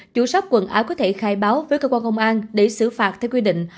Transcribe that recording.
chủ sắc quần áo có thể khai báo với cơ quan công an để xử phạt theo quy định